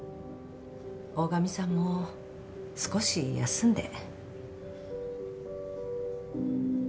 大神さんも少し休んで。